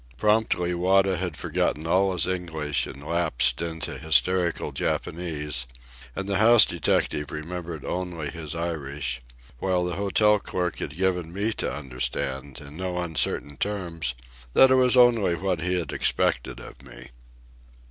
Promptly Wada had forgotten all his English and lapsed into hysterical Japanese, and the house detective remembered only his Irish; while the hotel clerk had given me to understand in no uncertain terms that it was only what he had expected of me.